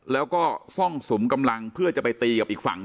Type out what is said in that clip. แล้วก็ซ่องสุมกำลังเพื่อจะไปตีกับอีกฝั่ง